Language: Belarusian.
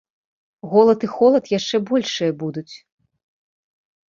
Голад і холад яшчэ большыя будуць.